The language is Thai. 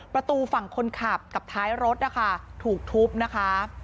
ประตูฝั่งคนขับกับท้ายรถนะคะถูกทุบนะคะ